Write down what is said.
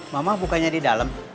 mama bukannya di dalam